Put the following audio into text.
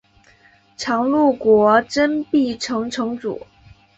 常陆国真壁城城主。